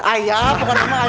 ayah bukan emang ayah mataan ya